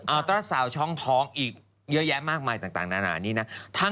ตราสาวช่องท้องอีกเยอะแยะมากมายต่างนานานี่นะ